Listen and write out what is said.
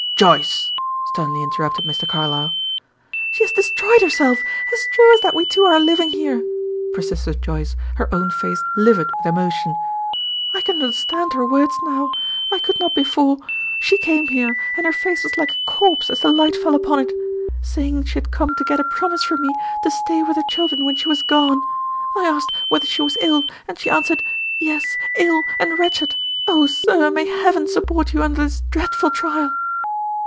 "Joyce!" sternly interrupted Mr. Carlyle. "She has destroyed herself, as true as that we two are living here," persisted Joyce, her own face livid with emotion. "I can understand her words now; I could not before. She came here and her face was like a corpse as the light fell upon it saying she had come to get a promise from me to stay with her children when she was gone, I asked whether she was ill, and she answered, 'Yes, ill and wretched.' Oh, sir, may heaven support you under this dreadful trial!"